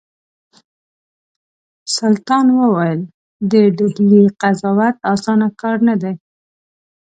سلطان ویل د ډهلي قضاوت اسانه کار نه دی.